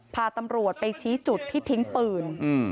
พาตำรวจไปชี้จุดที่ทิ้งปืน